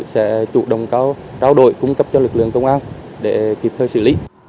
sẽ chủ động đào đổi cung cấp cho lực lượng công an để kịp thời xử lý